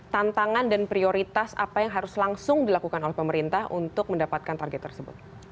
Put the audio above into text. tantangan dan prioritas apa yang harus langsung dilakukan oleh pemerintah untuk mendapatkan target tersebut